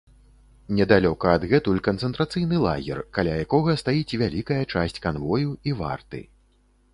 Недалёка адгэтуль канцэнтрацыйны лагер, каля якога стаіць вялікая часць канвою і варты.